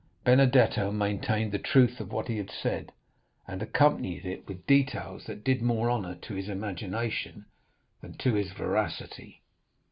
Benedetto maintained the truth of what he had said, and accompanied it with details that did more honor to his imagination than to his veracity.